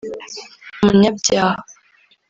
umunyabyaha